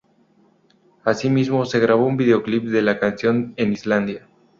Asimismo, se grabó un videoclip de la canción en Islandia.